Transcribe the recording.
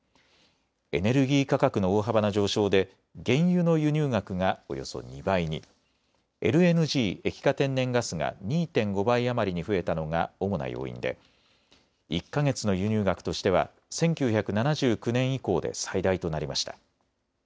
エネルギー価格の大幅な上昇で原油の輸入額がおよそ２倍に、ＬＮＧ・液化天然ガスが２．５倍余りに増えたのが主な要因で１か月の輸入額としては１９７９年以降で最大となりました。